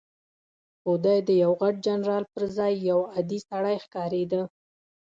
خو دی د یوه غټ جنرال پر ځای یو عادي سړی ښکارېده.